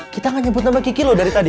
kita gak nyebut nama kiki loh dari tadi